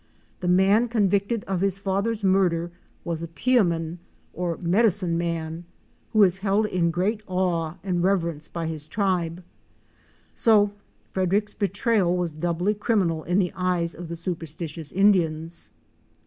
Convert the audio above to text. The man convicted of his father's murder was a peaiman — or medicine man, who is held in great awe and reverence by his tribe. So Frederick's betrayal was doubly criminal in the eyes of the superstitious Indians.